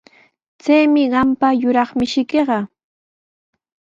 Chaymi qampa yuraq mishiykiqa.